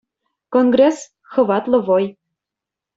Конгресс — хӑватлӑ вӑй.